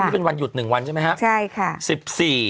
เป็นวันหยุด๑วันใช่ไหมครับ